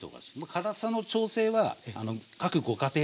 辛さの調整は各ご家庭で。